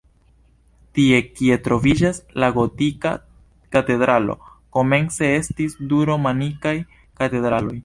Tie kie troviĝas la gotika katedralo, komence estis du romanikaj katedraloj.